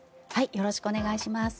よろしくお願いします。